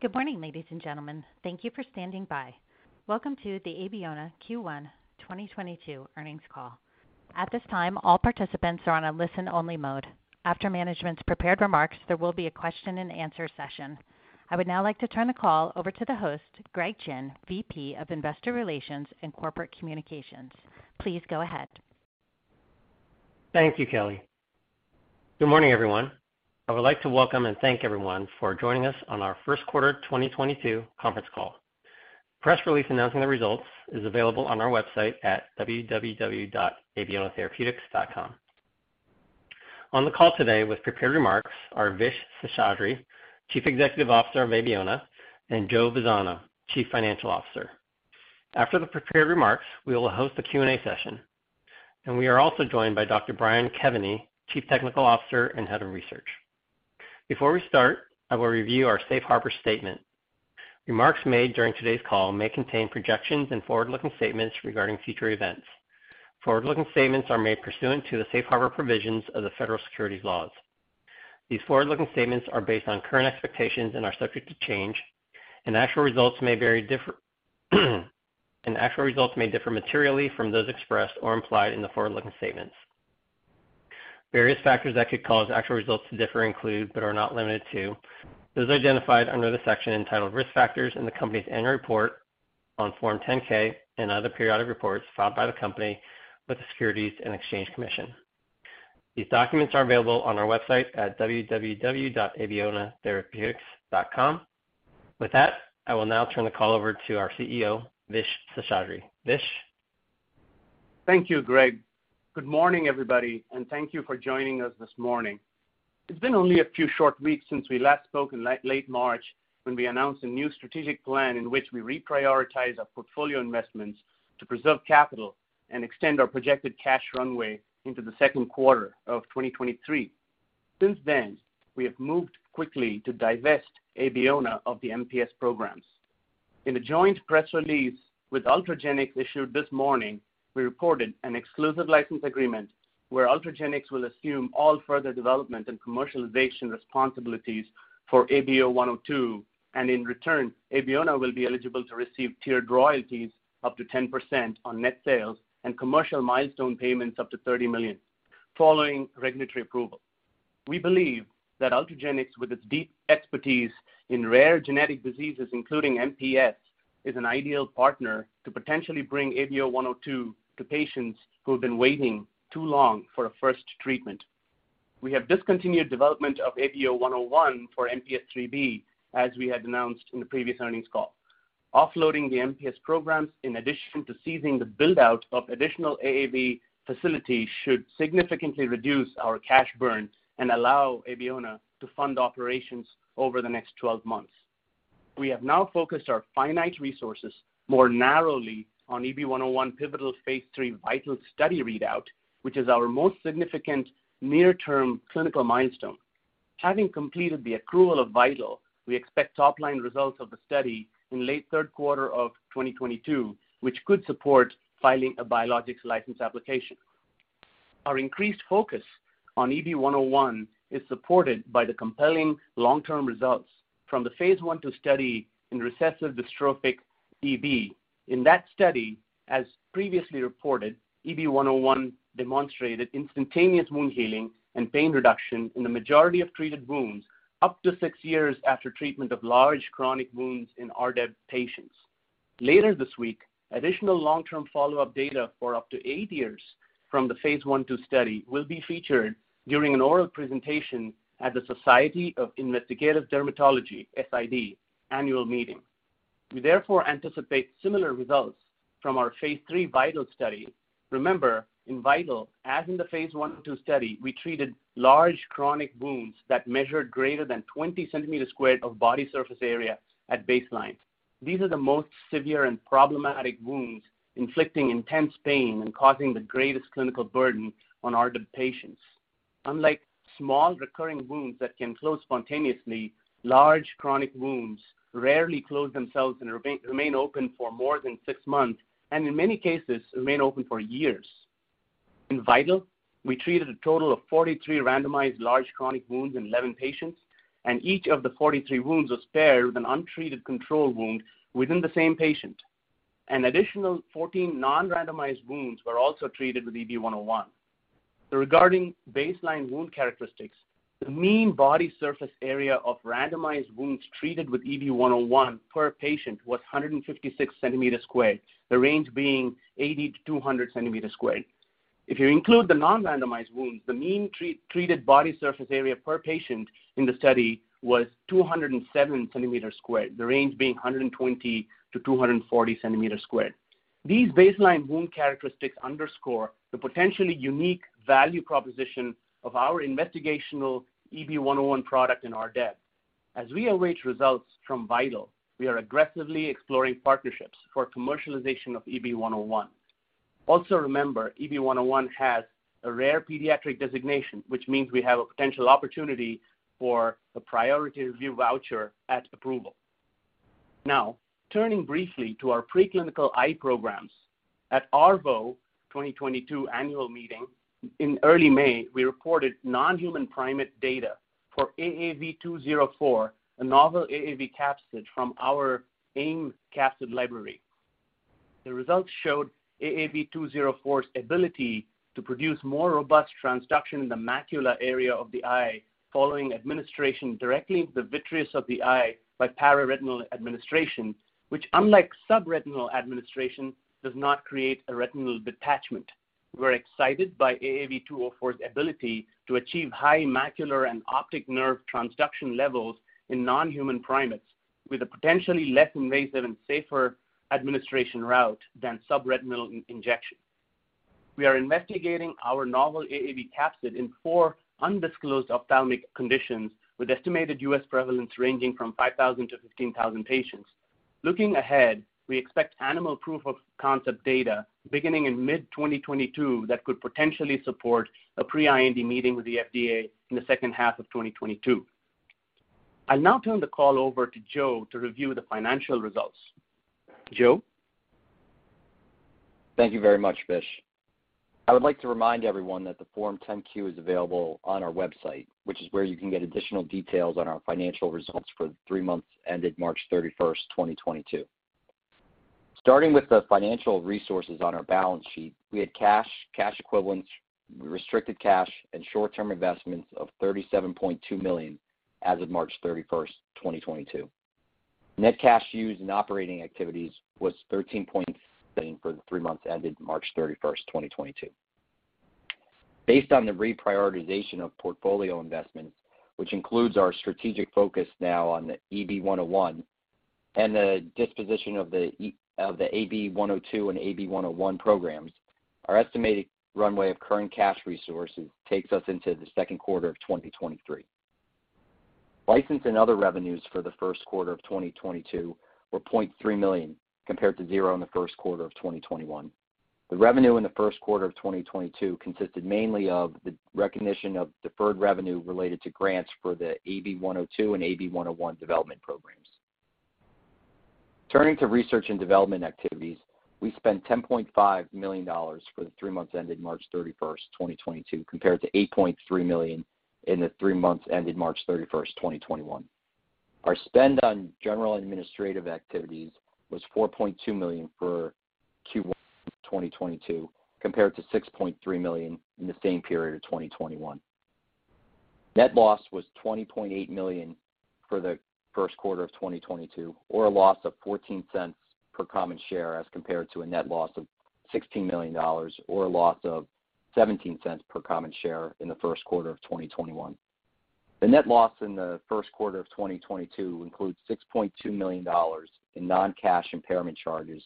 Good morning, ladies and gentlemen. Thank you for standing by. Welcome to the Abeona Q1 2022 earnings call. At this time, all participants are on a listen-only mode. After management's prepared remarks, there will be a question and answer session. I would now like to turn the call over to the host, Greg Gin, VP of Investor Relations and Corporate Communications. Please go ahead. Thank you, Kelly. Good morning, everyone. I would like to welcome and thank everyone for joining us on our first quarter 2022 conference call. Press release announcing the results is available on our website at www.abeonatherapeutics.com. On the call today with prepared remarks are Vishwas Seshadri, Chief Executive Officer of Abeona, and Joseph Vazzano, Chief Financial Officer. After the prepared remarks, we will host a Q&A session. We are also joined by Dr. Brian Kevany, Chief Technical Officer and Head of Research. Before we start, I will review our Safe Harbor statement. Remarks made during today's call may contain projections and forward-looking statements regarding future events. Forward-looking statements are made pursuant to the Safe Harbor provisions of the federal securities laws. These forward-looking statements are based on current expectations and are subject to change, and actual results may differ materially from those expressed or implied in the forward-looking statements. Various factors that could cause actual results to differ include, but are not limited to, those identified under the section entitled Risk Factors in the company's annual report on Form 10-K and other periodic reports filed by the company with the Securities and Exchange Commission. These documents are available on our website at www.abeonatherapeutics.com. With that, I will now turn the call over to our CEO, Vishwas Seshadri. Vish? Thank you, Greg. Good morning, everybody, and thank you for joining us this morning. It's been only a few short weeks since we last spoke in late March when we announced a new strategic plan in which we reprioritize our portfolio investments to preserve capital and extend our projected cash runway into the second quarter of 2023. Since then, we have moved quickly to divest Abeona of the MPS programs. In a joint press release with Ultragenyx issued this morning, we reported an exclusive license agreement where Ultragenyx will assume all further development and commercialization responsibilities for ABO-102, and in return, Abeona will be eligible to receive tiered royalties up to 10% on net sales and commercial milestone payments up to $30 million following regulatory approval. We believe that Ultragenyx, with its deep expertise in rare genetic diseases, including MPS, is an ideal partner to potentially bring ABO-102 to patients who have been waiting too long for a first treatment. We have discontinued development of ABO-101 for MPS IIIB, as we had announced in the previous earnings call. Offloading the MPS programs, in addition to ceasing the build-out of additional AAV facilities, should significantly reduce our cash burn and allow Abeona to fund operations over the next 12 months. We have now focused our finite resources more narrowly on EB-101 pivotal phase 3 VITAL study readout, which is our most significant near-term clinical milestone. Having completed the accrual of VITAL, we expect top-line results of the study in late third quarter of 2022, which could support filing a biologics license application. Our increased focus on EB-101 is supported by the compelling long-term results from the phase 1/2 study in recessive dystrophic EB. In that study, as previously reported, EB-101 demonstrated instantaneous wound healing and pain reduction in the majority of treated wounds up to 6 years after treatment of large chronic wounds in RDEB patients. Later this week, additional long-term follow-up data for up to 8 years from the phase 1/2 study will be featured during an oral presentation at the Society for Investigative Dermatology, SID, annual meeting. We therefore anticipate similar results from our phase 3 VITAL study. Remember, in VITAL, as in the phase 1/2 study, we treated large chronic wounds that measured greater than 20 square centimeters of body surface area at baseline. These are the most severe and problematic wounds inflicting intense pain and causing the greatest clinical burden on RDEB patients. Unlike small recurring wounds that can close spontaneously, large chronic wounds rarely close themselves and remain open for more than six months, and in many cases, remain open for years. In VITAL, we treated a total of 43 randomized large chronic wounds in 11 patients, and each of the 43 wounds was paired with an untreated control wound within the same patient. An additional 14 non-randomized wounds were also treated with EB-101. Regarding baseline wound characteristics, the mean body surface area of randomized wounds treated with EB-101 per patient was 156 cm², the range being 80-200 cm². If you include the non-randomized wounds, the mean treated body surface area per patient in the study was 207 cm², the range being 120-240 cm². These baseline wound characteristics underscore the potentially unique value proposition of our investigational EB-101 product in RDEB. As we await results from VITAL, we are aggressively exploring partnerships for commercialization of EB-101. Also remember, EB-101 has a Rare Pediatric Disease designation, which means we have a potential opportunity for a Priority Review Voucher at approval. Now, turning briefly to our preclinical eye programs. At ARVO 2022 annual meeting in early May, we reported non-human primate data for AAV204, a novel AAV capsid from our AIM capsid library. The results showed AAV204's ability to produce more robust transduction in the macular area of the eye following administration directly into the vitreous of the eye by pararetinal administration, which unlike subretinal administration, does not create a retinal detachment. We're excited by AAV204's ability to achieve high macular and optic nerve transduction levels in non-human primates with a potentially less invasive and safer administration route than subretinal injection. We are investigating our novel AAV capsid in four undisclosed ophthalmic conditions with estimated U.S. prevalence ranging from 5,000 to 15,000 patients. Looking ahead, we expect animal proof of concept data beginning in mid-2022 that could potentially support a pre-IND meeting with the FDA in the second half of 2022. I'll now turn the call over to Joe to review the financial results. Joe? Thank you very much, Vish. I would like to remind everyone that the Form 10-Q is available on our website, which is where you can get additional details on our financial results for the three months ended March 31, 2022. Starting with the financial resources on our balance sheet, we had cash equivalents, restricted cash, and short-term investments of $37.2 million as of March 31, 2022. Net cash used in operating activities was $13.7 million for the three months ended March 31, 2022. Based on the reprioritization of portfolio investments, which includes our strategic focus now on the EB-101 and the disposition of the ABO-102 and ABO-101 programs, our estimated runway of current cash resources takes us into the second quarter of 2023. License and other revenues for the first quarter of 2022 were $0.3 million compared to 0 in the first quarter of 2021. The revenue in the first quarter of 2022 consisted mainly of the recognition of deferred revenue related to grants for the ABO-102 and ABO-101 development programs. Turning to research and development activities, we spent $10.5 million for the three months ended March 31, 2022, compared to $8.3 million in the three months ended March 31, 2021. Our spend on general administrative activities was $4.2 million for Q1 2022, compared to $6.3 million in the same period of 2021. Net loss was $20.8 million for the first quarter of 2022, or a loss of $0.14 per common share as compared to a net loss of $16 million or a loss of $0.17 per common share in the first quarter of 2021. The net loss in the first quarter of 2022 includes $6.2 million in non-cash impairment charges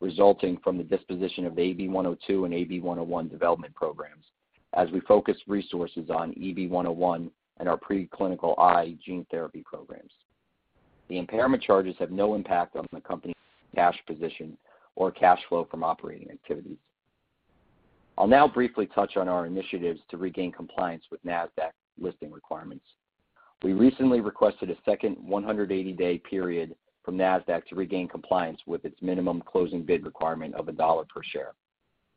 resulting from the disposition of ABO-102 and ABO-101 development programs as we focus resources on EB-101 and our preclinical eye gene therapy programs. The impairment charges have no impact on the company's cash position or cash flow from operating activities. I'll now briefly touch on our initiatives to regain compliance with Nasdaq listing requirements. We recently requested a second 180-day period from Nasdaq to regain compliance with its minimum closing bid requirement of $1 per share.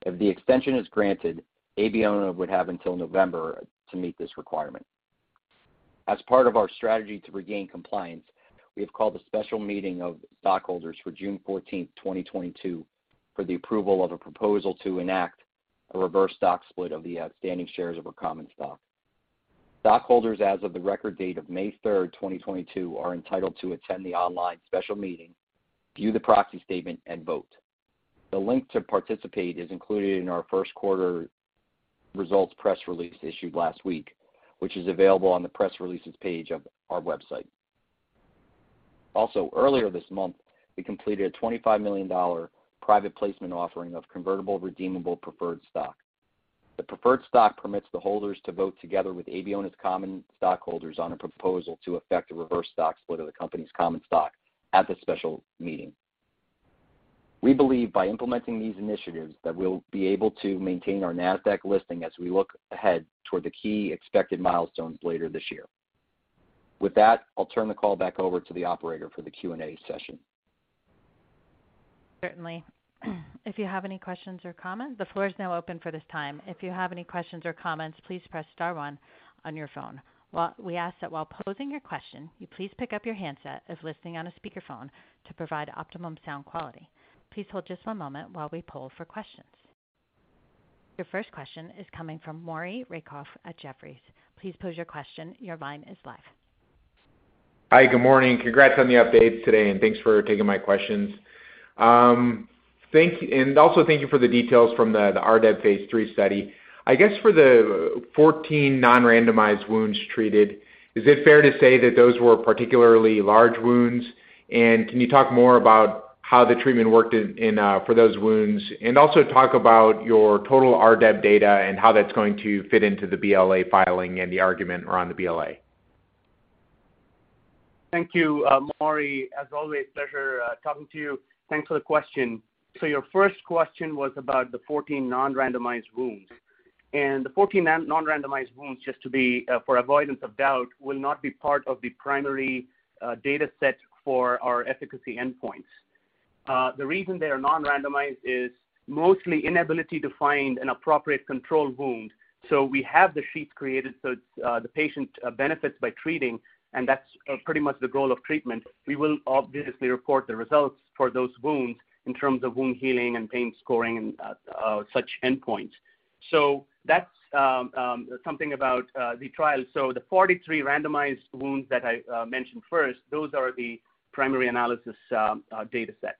If the extension is granted, Abeona would have until November to meet this requirement. As part of our strategy to regain compliance, we have called a special meeting of stockholders for June 14, 2022, for the approval of a proposal to enact a reverse stock split of the outstanding shares of our common stock. Stockholders as of the record date of May 3, 2022, are entitled to attend the online special meeting, view the proxy statement, and vote. The link to participate is included in our first quarter results press release issued last week, which is available on the press releases page of our website. Also, earlier this month, we completed a $25 million private placement offering of convertible redeemable preferred stock. The preferred stock permits the holders to vote together with Abeona's common stockholders on a proposal to effect a reverse stock split of the company's common stock at the special meeting. We believe by implementing these initiatives that we'll be able to maintain our Nasdaq listing as we look ahead toward the key expected milestones later this year. With that, I'll turn the call back over to the operator for the Q&A session. Certainly. If you have any questions or comments, the floor is now open for this time. If you have any questions or comments, please press star one on your phone. We ask that while posing your question, you please pick up your handset if listening on a speakerphone to provide optimum sound quality. Please hold just one moment while we poll for questions. Your first question is coming from Maury Raycroft at Jefferies. Please pose your question. Your line is live. Hi. Good morning. Congrats on the updates today, and thanks for taking my questions. And also thank you for the details from the RDEB phase 3 study. I guess for the 14 non-randomized wounds treated, is it fair to say that those were particularly large wounds? And can you talk more about how the treatment worked in for those wounds? And also talk about your total RDEB data and how that's going to fit into the BLA filing and the argument around the BLA. Thank you, Maury. As always, pleasure talking to you. Thanks for the question. Your first question was about the 14 non-randomized wounds. And the 14 non-randomized wounds, just to be for avoidance of doubt, will not be part of the primary data set for our efficacy endpoints. The reason they are non-randomized is mostly inability to find an appropriate control wound. We have the sheets created, so it's the patient benefits by treating, and that's pretty much the goal of treatment. We will obviously report the results for those wounds in terms of wound healing and pain scoring and such endpoints. That's something about the trial. The 43 randomized wounds that I mentioned first, those are the primary analysis data set.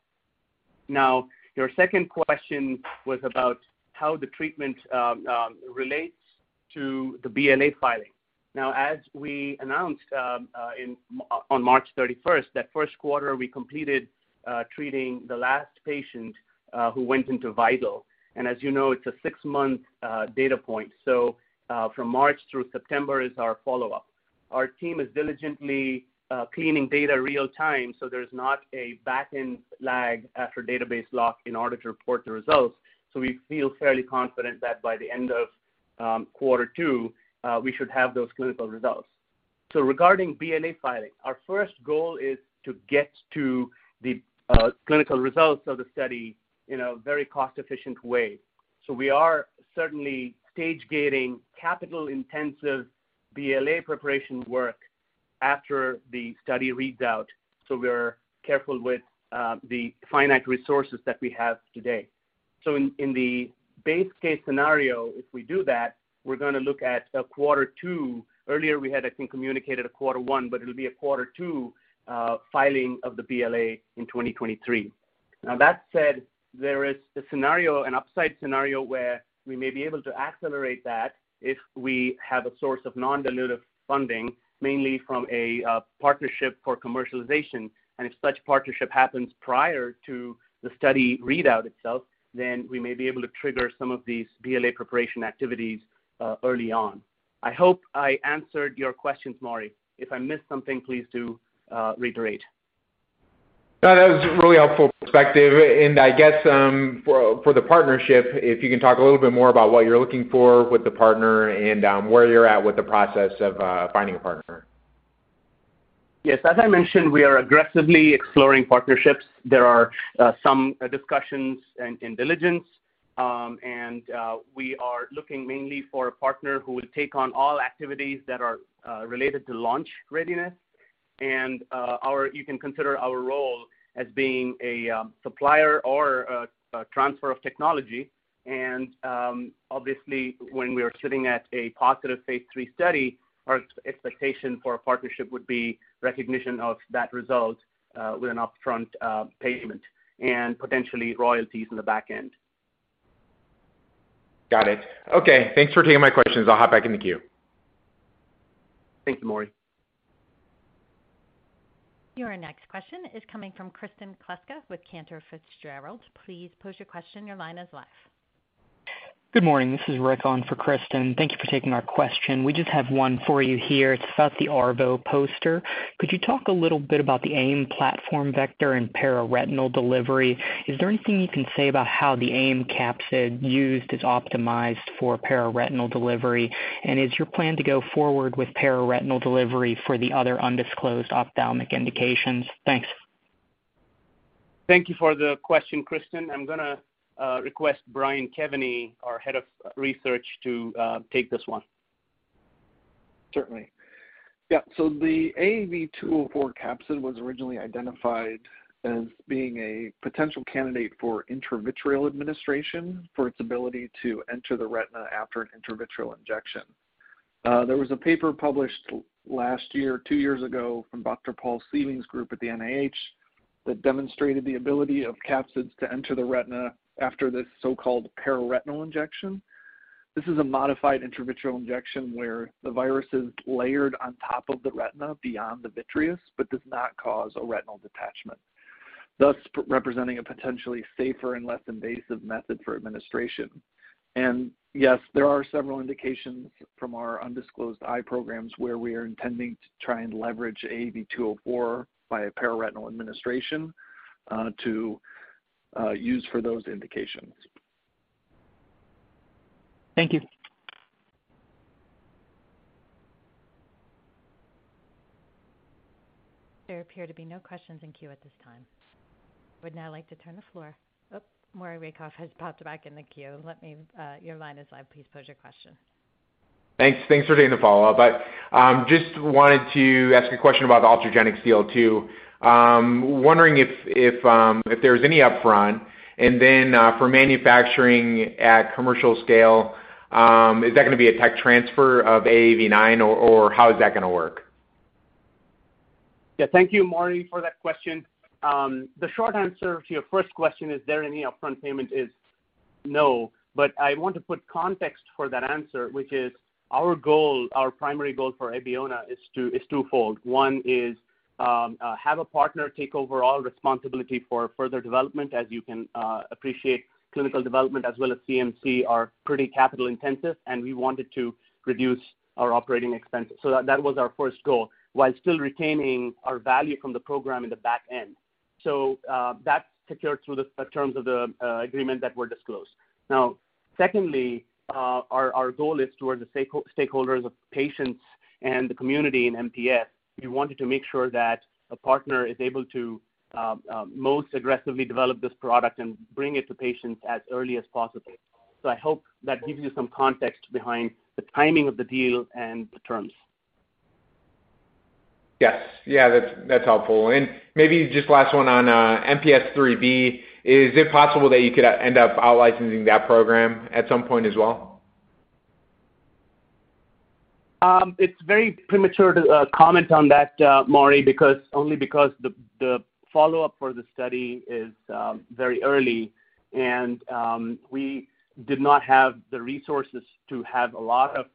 Your second question was about how the treatment relates to the BLA filing. As we announced on March 31, that first quarter we completed treating the last patient who went into VITAL. As you know, it's a 6-month data point. From March through September is our follow-up. Our team is diligently cleaning data real time, so there's not a back-end lag after database lock in order to report the results. We feel fairly confident that by the end of quarter two we should have those clinical results. Regarding BLA filing, our first goal is to get to the clinical results of the study in a very cost-efficient way. We are certainly stage-gating capital-intensive BLA preparation work after the study reads out, so we're careful with the finite resources that we have today. In the base case scenario, if we do that, we're gonna look at a quarter two. Earlier, we had, I think, communicated a quarter one, but it'll be a quarter two filing of the BLA in 2023. Now, that said, there is a scenario, an upside scenario, where we may be able to accelerate that if we have a source of non-dilutive funding, mainly from a partnership for commercialization. If such partnership happens prior to the study readout itself, then we may be able to trigger some of these BLA preparation activities early on. I hope I answered your questions, Maury. If I missed something, please do reiterate. No, that was a really helpful perspective. I guess, for the partnership, if you can talk a little bit more about what you're looking for with the partner and, where you're at with the process of, finding a partner. Yes. As I mentioned, we are aggressively exploring partnerships. There are some discussions and diligence. We are looking mainly for a partner who will take on all activities that are related to launch readiness. You can consider our role as being a supplier or a transfer of technology. Obviously, when we are sitting at a positive phase 3 study, our expectation for a partnership would be recognition of that result, with an upfront payment and potentially royalties in the back end. Got it. Okay. Thanks for taking my questions. I'll hop back in the queue. Thank you, Maury. Your next question is coming from Kristen Kluska with Cantor Fitzgerald. Please pose your question. Your line is live. Good morning. This is Rick on for Kristen. Thank you for taking our question. We just have one for you here. It's about the ARVO poster. Could you talk a little bit about the AIM platform vector and pararetinal delivery? Is there anything you can say about how the AIM capsid used is optimized for pararetinal delivery? And is your plan to go forward with pararetinal delivery for the other undisclosed ophthalmic indications? Thanks. Thank you for the question, Kristen. I'm gonna request Brian Kevany, our head of research, to take this one. Certainly. Yeah. The AAV2.04 capsid was originally identified as being a potential candidate for intravitreal administration for its ability to enter the retina after an intravitreal injection. There was a paper published last year, two years ago, from Dr. Paul A. Sieving's group at the NIH that demonstrated the ability of capsids to enter the retina after this so-called pararetinal injection. This is a modified intravitreal injection where the virus is layered on top of the retina beyond the vitreous, but does not cause a retinal detachment, thus representing a potentially safer and less invasive method for administration. Yes, there are several indications from our undisclosed eye programs where we are intending to try and leverage AAV2.04 by a pararetinal administration to use for those indications. Thank you. There appear to be no questions in queue at this time. Would now like to turn the floor. Oh, Maury Raycroft has popped back in the queue. Let me, your line is live. Please pose your question. Thanks. Thanks for taking the follow-up. Just wanted to ask a question about the Ultragenyx deal too. Wondering if there's any upfront, and then for manufacturing at commercial scale, is that gonna be a tech transfer of AAV9 or how is that gonna work? Yeah. Thank you, Maury, for that question. The short answer to your first question, is there any upfront payment, is no. I want to put context for that answer, which is our goal. Our primary goal for Abeona is twofold. One is to have a partner take overall responsibility for further development. As you can appreciate, clinical development as well as CMC are pretty capital intensive, and we wanted to reduce our operating expenses. That was our first goal, while still retaining our value from the program in the back end. That's secured through the terms of the agreement that were disclosed. Now, secondly, our goal is toward the stakeholders of patients and the community in MPS. We wanted to make sure that a partner is able to, most aggressively develop this product and bring it to patients as early as possible. I hope that gives you some context behind the timing of the deal and the terms. Yes. Yeah, that's helpful. Maybe just last one on MPS IIIB. Is it possible that you could end up out-licensing that program at some point as well? It's very premature to comment on that, Maury, because only because the follow-up for the study is very early and we did not have the resources to have a lot of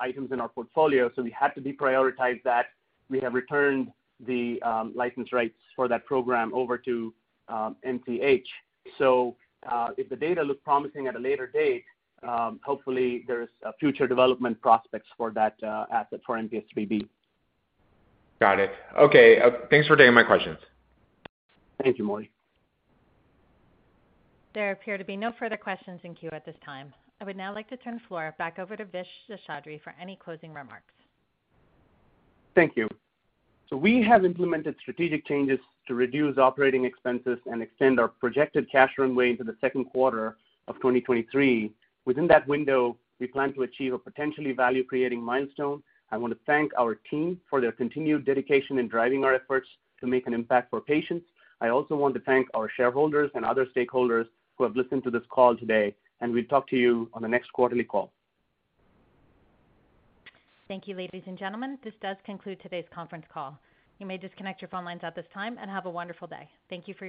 items in our portfolio, so we had to deprioritize that. We have returned the license rights for that program over to MCH. If the data looks promising at a later date, hopefully there's future development prospects for that asset for MPS IIIB. Got it. Okay. Thanks for taking my questions. Thank you, Maury. There appear to be no further questions in queue at this time. I would now like to turn the floor back over to Vishwas Seshadri for any closing remarks. Thank you. We have implemented strategic changes to reduce operating expenses and extend our projected cash runway into the second quarter of 2023. Within that window, we plan to achieve a potentially value-creating milestone. I wanna thank our team for their continued dedication in driving our efforts to make an impact for patients. I also want to thank our shareholders and other stakeholders who have listened to this call today, and we'll talk to you on the next quarterly call. Thank you, ladies and gentlemen. This does conclude today's conference call. You may disconnect your phone lines at this time, and have a wonderful day. Thank you for your participation.